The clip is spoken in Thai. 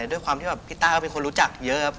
ด้วยความที่แบบพี่ต้าก็เป็นคนรู้จักเยอะครับ